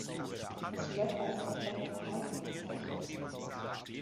Es wird als perfekt erhalten bezeichnet.